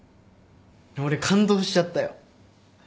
俺感動しちゃったよ。